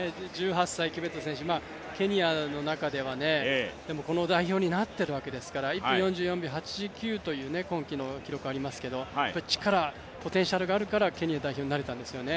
ケニアの中でこの代表になっているわけですから１分４４秒８９という今季の記録がありますけど力、ポテンシャルがあるからケニア代表になれたんですよね。